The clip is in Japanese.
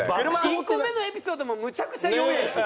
１個目のエピソードもむちゃくちゃ弱えし。